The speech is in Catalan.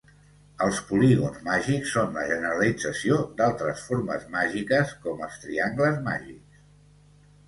Els polígons màgics són la generalització d'altres formes màgiques com els triangles màgics.